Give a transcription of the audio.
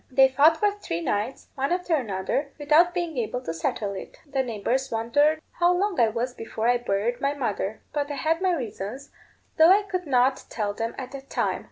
They fought for three nights, one after another, without being able to settle it. The neighbours wondered how long I was before I buried my mother; but I had my reasons, though I could not tell them at that time.